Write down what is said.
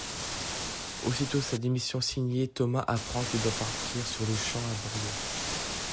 Aussitôt sa démission signée, Thomas apprend qu'il doit partir sur le champ à Bordeaux.